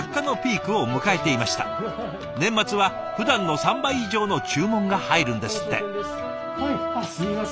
年末はふだんの３倍以上の注文が入るんですって。